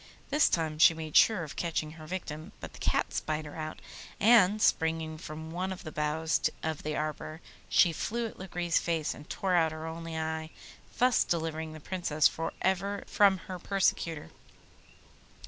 This time she made sure of catching her victim, but the cat spied her out, and, springing from one of the boughs of the arbour she flew at Lagree's face and tore out her only eye, thus delivering the Princess for ever from her persecutor.